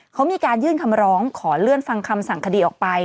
เขามีการยื่นคำร้องขอเลื่อนฟังคำสั่งคดีออกไป